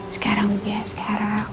sekarang ya sekarang